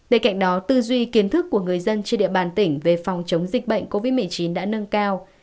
bên cạnh đó tư duy kiến thức của người dân trên địa bàn tỉnh về phòng chống dịch bệnh covid một mươi chín đã nâng cao